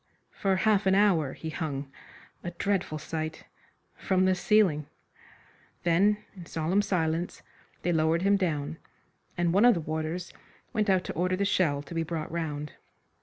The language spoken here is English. For half an hour he hung a dreadful sight from the ceiling. Then in solemn silence they lowered him down, and one of the warders went out to order the shell to be brought round.